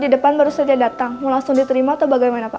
di depan baru saja datang mau langsung diterima atau bagaimana pak